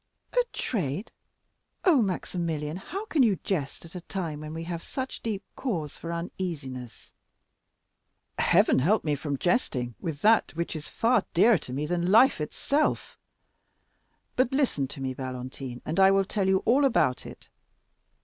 "A trade? Oh, Maximilian, how can you jest at a time when we have such deep cause for uneasiness?" "Heaven keep me from jesting with that which is far dearer to me than life itself! But listen to me, Valentine, and I will tell you all about it.